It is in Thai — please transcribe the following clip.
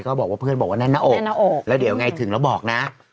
บอกว่าเพื่อนบอกว่าแน่นหน้าอกหน้าอกแล้วเดี๋ยวไงถึงแล้วบอกนะ